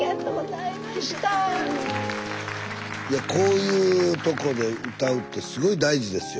いやこういうとこで歌うってすごい大事ですよ。